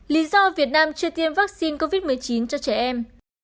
lý do việt nam chưa tiêm vaccine covid một mươi chín cho trẻ em